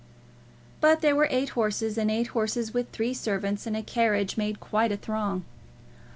But there were eight horses, and eight horses with three servants and a carriage made quite a throng.